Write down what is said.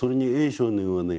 少年はね